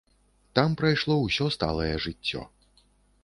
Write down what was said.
Там прайшло ўсё сталае жыццё.